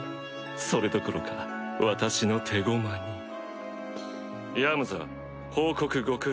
それどころか私の手駒にヤムザ報告ご苦労